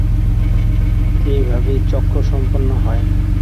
এইভাবেই চক্র সম্পন্ন হয়।